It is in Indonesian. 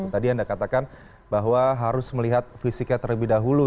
tadi anda katakan bahwa harus melihat fisiknya terlebih dahulu